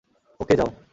ওকে, যাও!